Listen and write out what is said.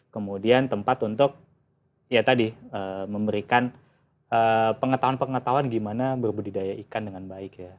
kemudian tempat untuk ya tadi memberikan pengetahuan pengetahuan gimana berbudidaya ikan dengan baik ya